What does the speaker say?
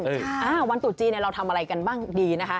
อ่าวันตุจีนเนี่ยเราทำอะไรกันบ้างดีนะคะ